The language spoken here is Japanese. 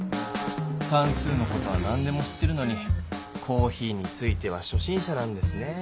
さんすうの事はなんでも知ってるのにコーヒーについてはしょ心者なんですね。